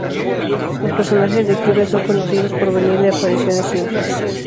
Los personajes de quiebre son conocidos por venir de apariciones simples.